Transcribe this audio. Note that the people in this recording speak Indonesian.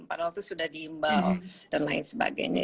padahal itu sudah diimbau dan lain sebagainya